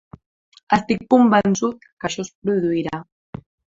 Estic convençut que això es produirà.